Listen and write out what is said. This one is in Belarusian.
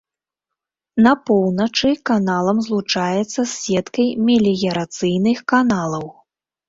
На поўначы каналам злучаецца з сеткай меліярацыйных каналаў.